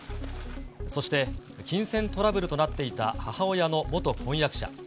そして、金銭トラブルとなっていた母親の元婚約者。